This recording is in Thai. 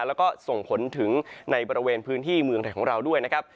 แล้วก็ส่งผลถึงในบริเวณพื้นที่เมืองไทยของเราด้วยนะครับ